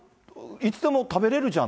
いつでも食べれるじゃん。